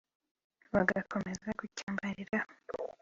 bagakomeza kucyambariraho